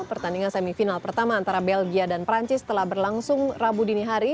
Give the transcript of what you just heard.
pertandingan semifinal pertama antara belgia dan perancis telah berlangsung rabu dini hari